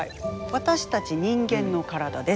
私たち人間の体です。